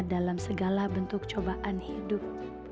dalam segala bentuk cobaan hidup